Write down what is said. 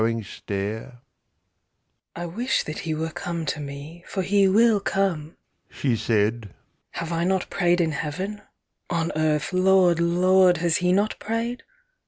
"I wish that he were come to me, For he will come," she said."Have I not pray'd in Heaven?—on earth, Lord, Lord, has he not pray'd?